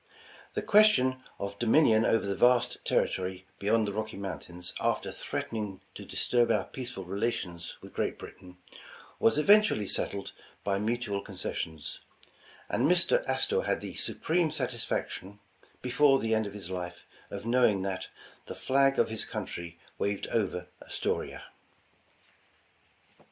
The question of dominion over the vast territory beyond the Rocky Mountains, after threatening to disturb our peaceful relations with Great Britain, was eventually settled by mutual concessions, and Mr. Astor had the supreme sat isfaction, before the end of his life, of knowing that *'the flag of his country waved over Astoria."